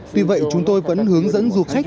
tuy vậy chúng tôi vẫn hướng dẫn du khách